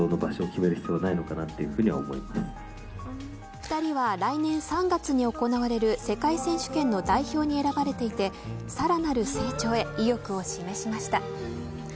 ２人は来年３月に行われる世界選手権の代表に選ばれていてさらなる成長へ意欲を示しました。